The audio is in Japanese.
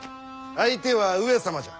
相手は上様じゃ。